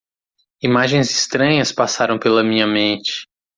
Imagens estranhas passaram pela minha mente.